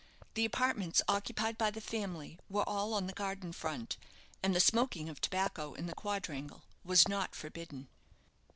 The apartments occupied by the family were all on the garden front, and the smoking of tobacco in the quadrangle was not forbidden.